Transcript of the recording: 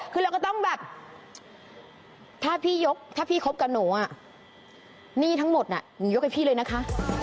คือเราก็ต้องแบบถ้าพี่ยกถ้าพี่คบกับหนูอ่ะหนี้ทั้งหมดน่ะหนูยกให้พี่เลยนะคะ